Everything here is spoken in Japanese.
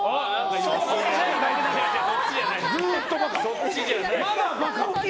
そっちじゃない！